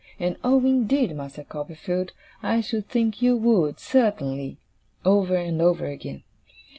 and, 'Oh, indeed, Master Copperfield, I should think you would, certainly!' over and over again.